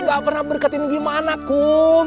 nggak pernah beriketin gimana kum